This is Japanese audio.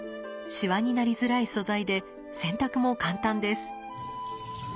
シワになりづらい素材で洗濯も簡単です。